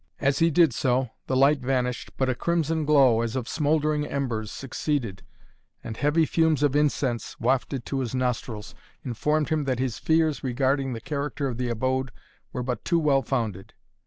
As he did so, the light vanished, but a crimson glow, as of smouldering embers, succeeded, and heavy fumes of incense, wafted to his nostrils, informed him that his fears regarding the character of the abode were but too well founded.